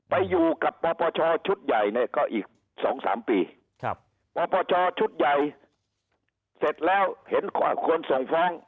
ไปอยู่กับปรปชชชุดใหญ่เนี่ยก็อีกสองสามปีครับปรปชชชุดใหญ่เสร็จแล้วเห็นความควรส่งฟ้อง